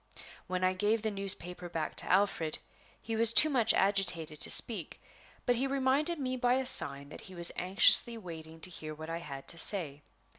When I gave the newspaper back to Alfred he was too much agitated to speak, but he reminded me by a sign that he was anxiously waiting to hear what I had to say.